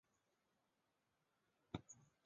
洪光迪是承天府香茶县永治总明乡社出生。